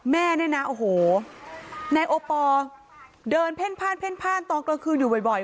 แม่เนี่ยนะโอ้โหนายโอปอล์เดินเพ่นพ่านเพ่นพ่านตอนกลางคืนอยู่บ่อย